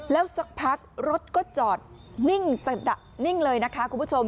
แล้วสักพักรถก็จอดนิ่งเลยนะคะคุณผู้ชม